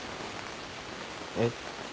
えっ？